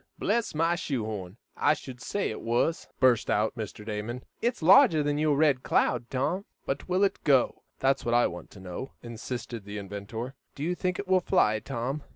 "Bless my shoe horn! I should say it was!" burst out Mr. Damon. "It's larger than your RED CLOUD, Tom." "But will it go? That's what I want to know," insisted the inventor. "Do you think it will fly, Tom?